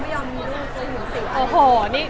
วุ้นยังมีลูกแล้วอยู่สิบแล้ว